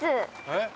え？